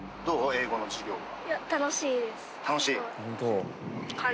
英語の授業は」